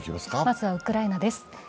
まずはウクライナです。